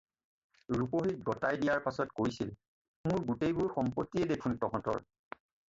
ৰূপহীক গতাই দিয়াৰ পাচত কৈছিল- "মোৰ গোটেইবোৰ সম্পতিয়েই দেখোন তহঁতৰ।"